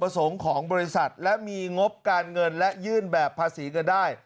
ของบริษัทและมีงบการเงินและยื่นแบบภาษีเงินได้